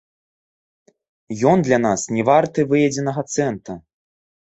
Ён для нас не варты выедзенага цэнта.